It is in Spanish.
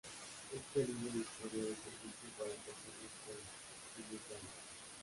Esta línea dispone de servicio para personas con minusvalía.